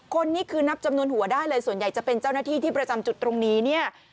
คนนี้คือนับจำนวนหัวได้เลยส่วนใหญ่จะเป็นเจ้าหน้าที่ที่ประจำจุดตรงนี้เนี่ย